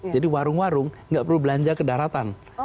jadi warung warung nggak perlu belanja ke daratan